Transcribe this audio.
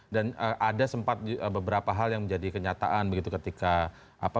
dan ada sempat beberapa hal yang menjadi kenyataan begitu ketika